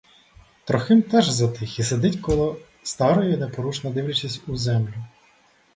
Трохим теж затих і сидить коло старої, непорушне дивлячись у землю.